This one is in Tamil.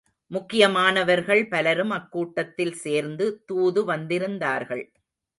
முக்கியமானவர்கள் பலரும் அக்கூட்டத்தில் சேர்ந்து தூது வந்திருந்தார்கள்.